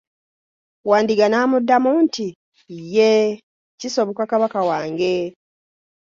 Wandiga n'amuddamu nti, yee, kisoboka kabaka wange.